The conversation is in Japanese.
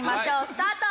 スタート！